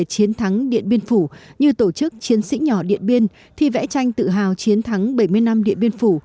chiến thắng điện biên phủ như tổ chức chiến sĩ nhỏ điện biên thi vẽ tranh tự hào chiến thắng bảy mươi năm điện biên phủ